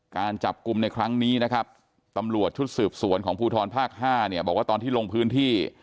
การจับกลุ่มในครั้งนี้นะครับตำรวจชุดสืบสวนของภูทรภาค๕เนี่ยบอกว่าตอนที่ลงพื้นที่